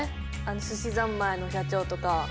「すしざんまい」の社長とか。